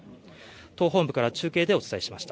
党本部から中継でお伝えしました。